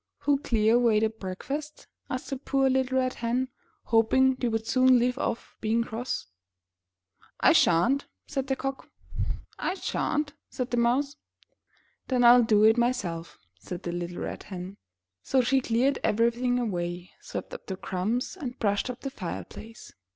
Who'll clear away the breakfast?" asked the poor little Red Hen, hoping they would soon leave off being cross. 214 IN THE NURSERY ''I shan't," said the Cock. *1 shan't/' said the Mouse. *'Then Fil do it myself," said the little Red Hen. So she cleared everything away, swept up the crumbs and brushed up the fireplace.